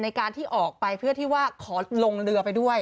ในการที่ออกไปเพื่อที่ว่าขอลงเรือไปด้วย